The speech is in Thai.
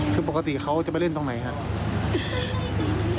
คือปกติเขาจะไปเล่นตรงไหนครับ